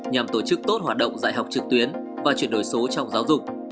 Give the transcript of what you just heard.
nhằm tổ chức tốt hoạt động dạy học trực tuyến và chuyển đổi số trong giáo dục